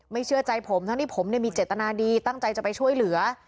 เชื่อใจผมทั้งที่ผมมีเจตนาดีตั้งใจจะไปช่วยเหลือ